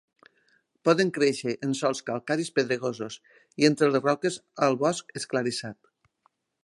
Poden créixer en sòls calcaris pedregosos i entre les roques al bosc esclarissat.